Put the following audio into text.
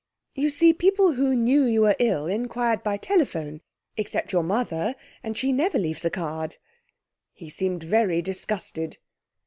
'You see, people who knew you were ill inquired by telephone, except your mother, and she never leaves a card.' He seemed very disgusted.